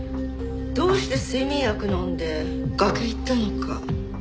どうして睡眠薬を飲んで崖行ったのか。